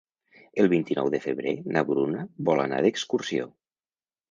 El vint-i-nou de febrer na Bruna vol anar d'excursió.